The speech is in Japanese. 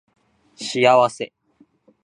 幸せ